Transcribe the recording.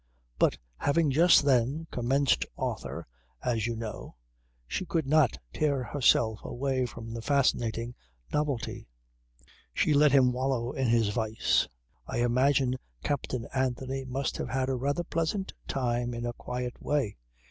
But having just then 'commenced author,' as you know, she could not tear herself away from the fascinating novelty. She let him wallow in his vice. I imagine Captain Anthony must have had a rather pleasant time in a quiet way.